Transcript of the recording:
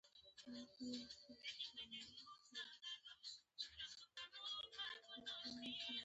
یو ښه کتاب د سلګونو ښو ملګرو سره برابر دی.